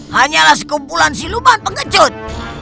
hanyalah sekumpulan siluman pengecut